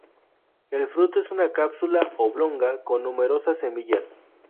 El fruto es una cápsula oblonga con numerosas semillas.